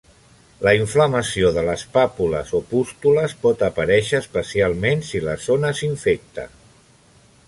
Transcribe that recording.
La inflamació de les pàpules o pústules pot aparèixer especialment si la zona s'infecta.